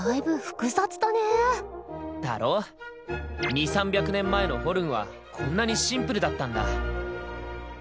２００３００年前のホルンはこんなにシンプルだったんだ。